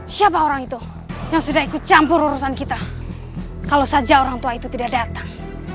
siapa orang itu yang sudah ikut campur urusan kita kalau saja orang tua itu tidak datang